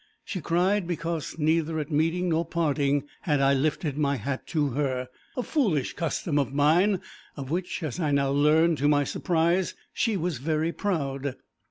She cried because neither at meeting nor parting had I lifted my hat to her, a foolish custom of mine, of which, as I now learned to my surprise, she was very proud.